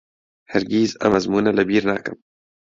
هەرگیز ئەم ئەزموونە لەبیر ناکەم.